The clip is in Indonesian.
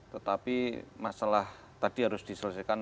tetapi masalah tadi harus diselesaikan